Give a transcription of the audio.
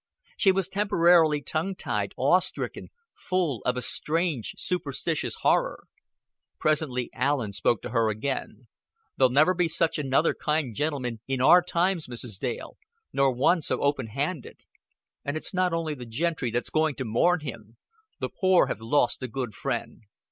She was temporarily tongue tied, awestricken, full of a strange superstitious horror. Presently Allen spoke to her again. "There'll never be such another kind gentleman in our times, Mrs. Dale; nor one so open handed. And it's not only the gentry that's going to mourn him. The pore hev lost a good friend."